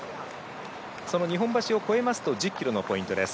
その日本橋を越えますと１０ｋｍのポイントです。